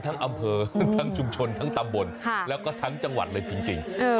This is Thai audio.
ทั้งอำเภอทั้งชุมชนทั้งตำบลแล้วก็ทั้งจังหวัดเลยจริง